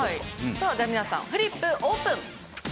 さあでは皆さんフリップオープン。